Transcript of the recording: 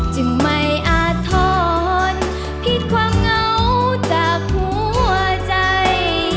จึงไม่อาทรผิดความเหงาจากหัวใจ